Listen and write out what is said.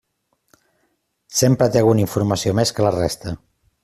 Sempre té alguna informació més que la resta.